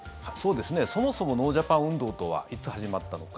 そもそもノージャパン運動とはいつ始まったのか。